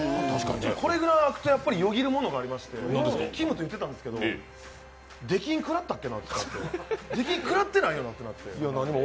これぐらい空くとよぎるものがありまして、きむと言ってたんですけど、出禁、食らったかってなって出禁、食らってないなって思って。